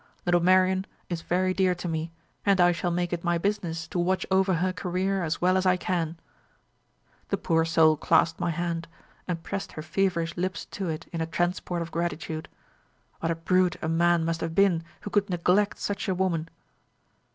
'Little Marian is very dear to me, and I shall make it my business to watch over her career as well as I can.' "The poor soul clasped my hand, and pressed her feverish lips to it in a transport of gratitude. What a brute a man must have been who could neglect such a woman!